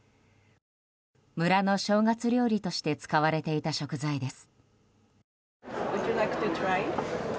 村の正月料理として使われていた食材です。